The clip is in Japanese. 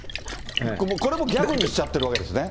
これもギャグにしちゃってるわけですね。